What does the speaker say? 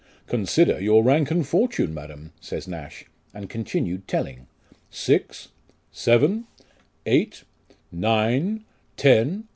" Con sider your rank and fortune, madam," says Nash, and continued telling "six, seven, eight, nine, ten."